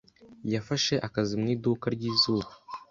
Yafashe akazi mu iduka ryizuba.